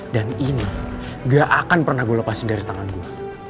dan ini gak akan pernah gue lepasin dari tangan gue